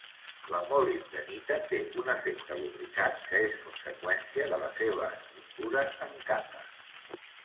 La molibdenita té un efecte lubricant, que és conseqüència de la seva estructura en capes.